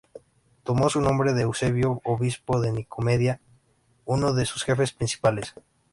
Tomó su nombre de Eusebio, obispo de Nicomedia, uno de sus jefes principales.